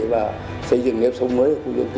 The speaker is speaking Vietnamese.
và xây dựng nếp sống mới